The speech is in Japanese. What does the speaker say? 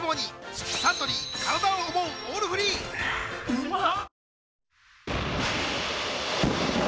うまっ！